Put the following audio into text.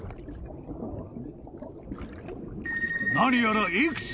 ［何やら］